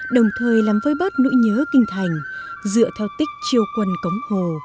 đồng thời làm vơi bớt nỗi nhớ kinh thành dựa theo tích chiêu quân cống hồ